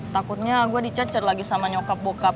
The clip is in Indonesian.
takutnya gue dicecer lagi sama nyokap bokap